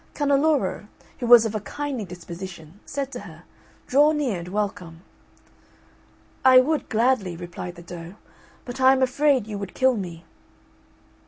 Canneloro, who was of a kindly disposition, said to her, "Draw near, and welcome." "I would gladly," replied the doe, "but I am afraid you would kill me."